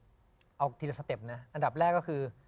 เอาทีละสเต็ปนะอันดับแรกก็คือ